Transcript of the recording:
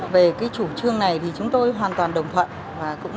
về chủ trương này thì chúng tôi hoàn toàn đồng phận